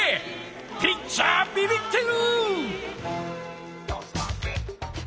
ピッチャーびびってる！